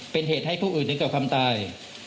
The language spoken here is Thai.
เป็นเหตุให้ผู้อื่นถึงกับความตาย